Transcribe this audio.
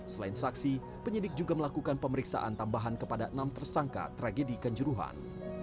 selain saksi penyidik juga melakukan pemeriksaan tambahan kepada enam tersangka tragedi kanjuruhan